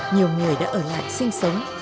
nhiều người đã ở lại sinh sống